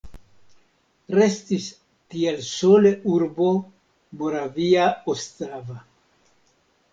Restis tiel sole urbo Moravia Ostrava.